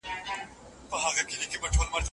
هیڅوک حق نه لري چي انځور بې اجازې خپور کړي.